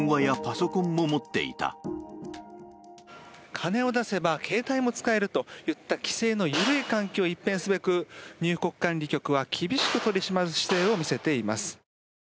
金を出せば携帯も使えるといった規制の緩い環境を一変すべく入国管理局は厳しく取り締まる姿勢を見せています。